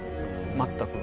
全く。